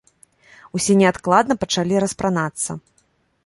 Усе неадкладна пачалі распранацца!